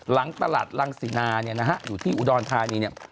หลังตลาดหลังสินาอยู่ที่อุดอนทานี